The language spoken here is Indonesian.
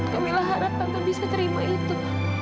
kamila harap tante bisa terima itu